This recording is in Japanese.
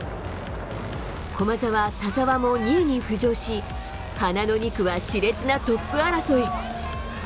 駒澤、田澤も２位に浮上し、花の２区はしれつなトップ争い。